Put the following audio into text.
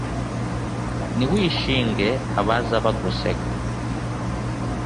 ntiwishinge abaza baguseka